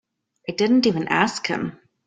I didn't even ask him.